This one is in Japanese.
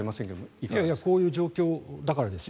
いやいやこういう状況だからですよ。